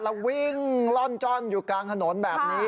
แล้ววิ่งล่อนจ้อนอยู่กลางถนนแบบนี้